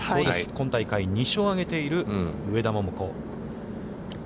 今大会２勝を挙げている、上田桃子。